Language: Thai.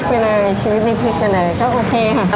ติ๊กไปเลยชีวิตมิกก็เลยโอเคค่ะ